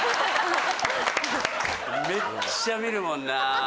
めっちゃ見るもんな。